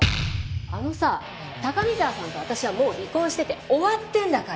あのさ高見沢さんと私はもう離婚してて終わってんだから。